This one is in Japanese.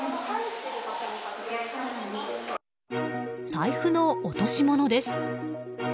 財布の落とし物です。